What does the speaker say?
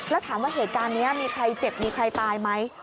แล้วถามว่าเหตุการณ์นี้มีใครเจ็บมีใครตายไหม